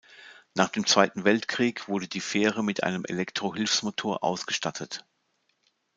Nach dem Zweiten Weltkrieg wurde die Fähre mit einem Elektro-Hilfsmotor ausgestattet.